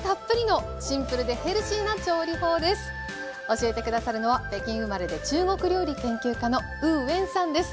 教えて下さるのは北京生まれで中国料理研究家のウー・ウェンさんです。